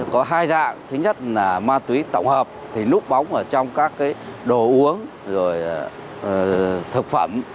có hai dạng thứ nhất là ma túy tổng hợp thì núp bóng ở trong các cái đồ uống rồi thực phẩm